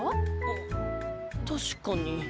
あったしかに。